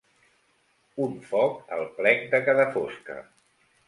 Un foc al plec de cada fosca.